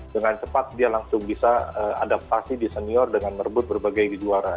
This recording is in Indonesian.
dengan cepat dia langsung bisa adaptasi di senior dengan merebut berbagai juara